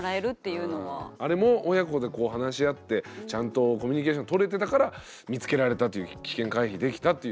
あれも親子でこう話し合ってちゃんとコミュニケーションとれてたから見つけられたという危険回避できたというね。